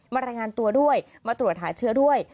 รายงานตัวด้วยมาตรวจหาเชื้อด้วย